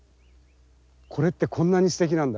「これってこんなにすてきなんだ。